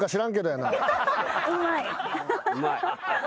うまい。